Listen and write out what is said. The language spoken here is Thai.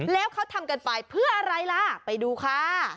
แล้วเขาทำกันไปเพื่ออะไรล่ะไปดูค่ะ